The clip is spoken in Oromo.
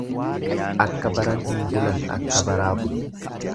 Akka baran hin bulan akka baraa bulu.